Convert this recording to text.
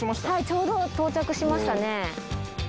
ちょうど到着しましたね。